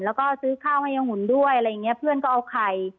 แล้วก็ซื้อข้าวให้ยายหุ่นด้วยอะไรอย่างเงี้เพื่อนก็เอาไข่